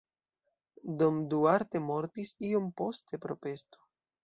Dom Duarte mortis iom poste pro pesto.